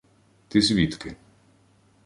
— Ти звідки?